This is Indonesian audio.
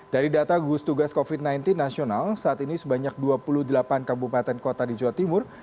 dari data gugus tugas covid sembilan belas nasional saat ini sebanyak dua puluh delapan kabupaten kota di jawa timur